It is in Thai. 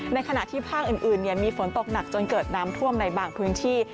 ในขณะที่ภาคอื่นมีฝนตกหนักจนเกิดน้ำท่วมในบางพื้นที่